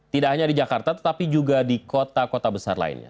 tidak hanya di jakarta tetapi juga di kota kota besar lainnya